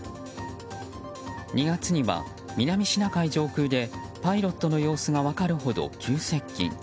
２月には南シナ海上空でパイロットの様子が分かるほど急接近。